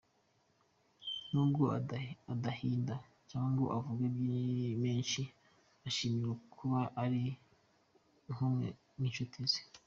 Nubwo adasahinda cyangwa ngo avuge menshi, ashimishwa no kuba ari kumwe n’inshuti ze.